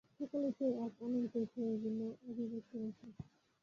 সকলেই সেই এক অনন্ত ঈশ্বরেরই বিভিন্ন অভিব্যক্তিমাত্র।